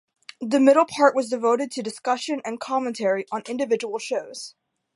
The middle part was devoted to discussion and commentary on individual shows.